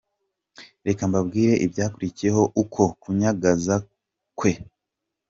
Reka mbambwire ibyakurikiye uko kunyagaza kwe.